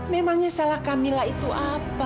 memangnya salah camilla itu apa